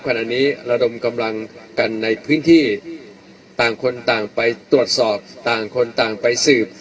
ขณะนี้ระดมกำลังกันในพื้นที่ต่างคนต่างไปตรวจสอบต่างคนต่างไปสืบ